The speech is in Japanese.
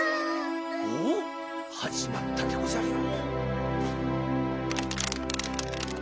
おっはじまったでごじゃるよ。